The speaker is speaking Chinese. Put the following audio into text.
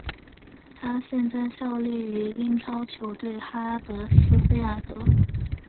他现在效力于英超球队哈德斯菲尔德。